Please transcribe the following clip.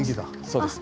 そうです。